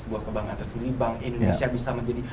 sebuah kebanggaan tersendiri bank indonesia bisa menjadi